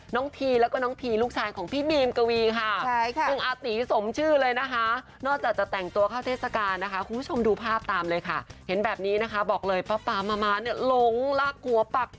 พีแล้วก็น้องพีลูกชายของพี่บีมกวีค่ะ